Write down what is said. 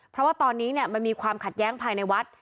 เพราะว่าตอนนี้มันมีความขัดแย้งภายในวัด